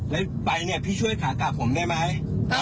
แล้วไปเนี่ยพี่ช่วยขากลับผมได้ไหม